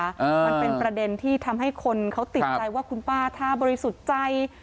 มันเป็นประเด็นที่ทำให้คนเขาติดใจว่าคุณป้าถ้าบริสุทธิ์ใจ